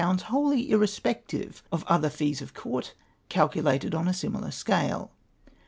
wholly irre spective of other fees of Court calculated on a similar scale.